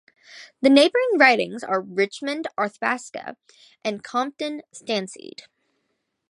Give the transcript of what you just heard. The neighbouring ridings are Richmond-Arthabaska and Compton-Stanstead.